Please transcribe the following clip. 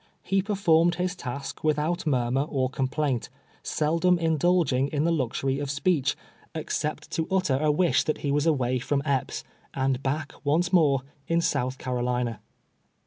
He performed bis task without murmur or complaint, seldom in dulging in the luxury of speech, excej^t to utter a 188 TNVELVE YEAKS A SLAVE. uish that lie was away from Epp?, and Lack oiico more in South Carolina.